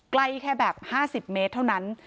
ใกล้แค่แบบ๕๐เมตรเท่านั้น